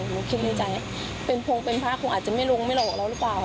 หนูคิดในใจเป็นพงเป็นพระคงอาจจะไม่ลงไม่หลอกเราหรือเปล่า